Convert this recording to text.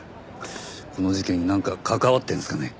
この事件になんか関わってるんですかね？